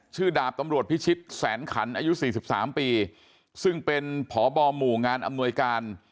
ชื่อดาบตำรวจพิชิบแสนขันอายุ๔๓ปีซึ่งเป็นผบมงอำนวยการ